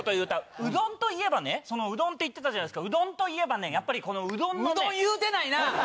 うどんといえばね、そのうどんって言ってたじゃないですか、うどんといえば、やっぱりこのううどん言うてないな。